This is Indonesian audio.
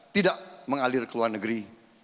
tidak mengalir ke luar negeri